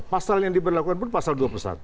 pasal yang diberlakukan pun pasal dua puluh satu